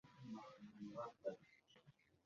সে দিনই Abu Sufyan মদীনার উদ্দেশে রওনা দেয়।